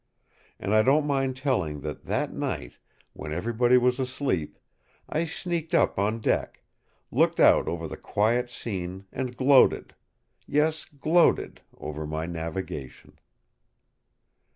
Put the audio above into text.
And I don't mind telling that that night, when everybody was asleep, I sneaked up on deck, looked out over the quiet scene, and gloated—yes, gloated—over my navigation.